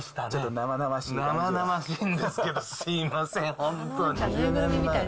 生々しいんですけど、すみません、本当。